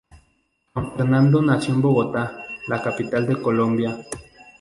Juan Fernando nació en Bogotá, la capital de Colombia.